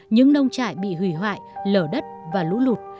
những nông trại bị hủy hoại lở đất và lũ lụt